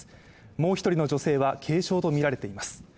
もう１人の女性は軽傷とみられています。